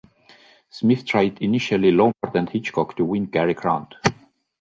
Smith tried initially Lombard and Hitchcock, to win Cary Grant.